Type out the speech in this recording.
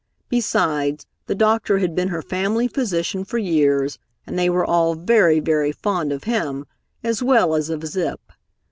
Besides, the doctor had been her family physician for years, and they were all very, very fond of him as well as of Zip.